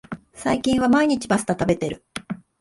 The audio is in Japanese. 最近は毎日パスタ食べてる